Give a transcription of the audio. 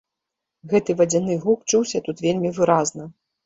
Гэты вадзяны гук чуўся тут вельмі выразна.